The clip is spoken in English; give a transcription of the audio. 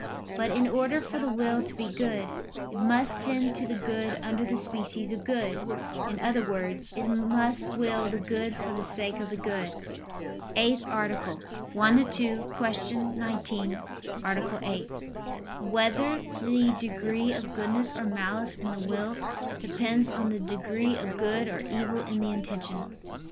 But in order for the will to be good, it must tend to the good under the species of good; in other words, it must will the good for the sake of the good. ________________________ EIGHTH ARTICLE [I II, Q. 19, Art. 8] Whether the Degree of Goodness or Malice in the Will Depends on the Degree of Good or Evil in the Intention?